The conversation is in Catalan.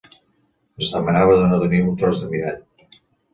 Es demanava de no tenir un tros de mirall